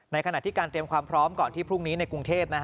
ขณะที่การเตรียมความพร้อมก่อนที่พรุ่งนี้ในกรุงเทพ